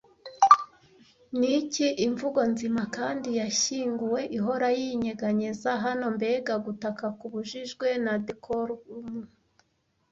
Niki imvugo nzima kandi yashyinguwe ihora yinyeganyeza hano, mbega gutaka kubujijwe na decorum,